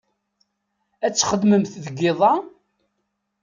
Ad txedmemt deg iḍ-a?